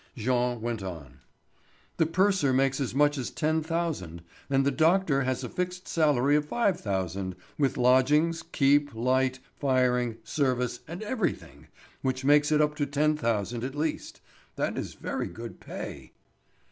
Jean went on: "The purser makes as much as ten thousand, and the doctor has a fixed salary of five thousand, with lodgings, keep, light, firing, service, and everything, which makes it up to ten thousand at least. That is very good pay."